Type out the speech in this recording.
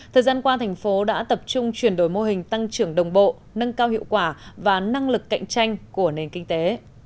thời gian qua thành phố đã tập trung chuyển đổi mô hình tăng trưởng đồng bộ nâng cao hiệu quả và năng lực cạnh tranh của nền kinh tế